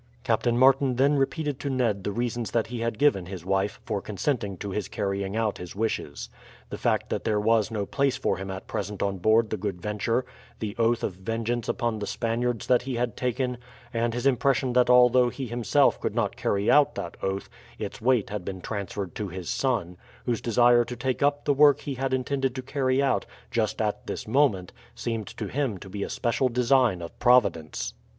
Captain Martin then repeated to Ned the reasons that he had given his wife for consenting to his carrying out his wishes: the fact that there was no place for him at present on board the Good Venture, the oath of vengeance upon the Spaniards that he had taken, and his impression that although he himself could not carry out that oath, its weight had been transferred to his son, whose desire to take up the work he had intended to carry out, just at this moment, seemed to him to be a special design of Providence.